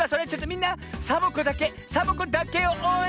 みんなサボ子だけサボ子だけをおうえんしてちゃぶだい！